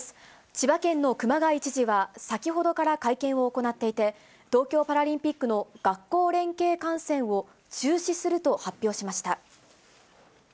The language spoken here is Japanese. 千葉県の熊谷知事は、先ほどから会見を行っていて、東京パラリンピックの学校連携観戦を中止すると発表しました。